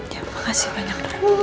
ya makasih banyak pak